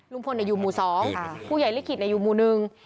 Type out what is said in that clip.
ลุงพลในอยู่หมู่สองผู้ใหญ่ลิขิตในอยู่หมู่หนึ่ง